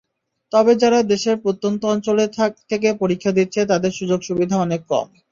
তবে যারা দেশের প্রত্যন্ত অঞ্চলে থেকে পরীক্ষা দিচ্ছে তাদের সুযোগসুবিধা অনেক কম।